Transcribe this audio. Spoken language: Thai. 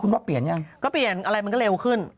ว่าเปลี่ยนยังก็เปลี่ยนอะไรมันก็เร็วขึ้น